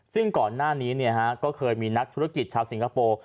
ซึ่งก่อนหน้านี้ก็เคยมีนักธุรกิจชาวสิงคโปร์